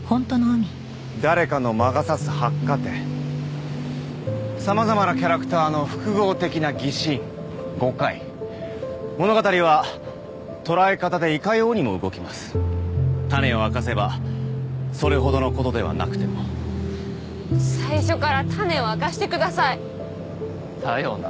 誰かの魔が差す発火点さまざまなキャラクターの複合的な疑心誤解物語は捉え方でいかようにも動きます種を明かせばそれほどのことではなくても最初から種を明かしてくださいだよな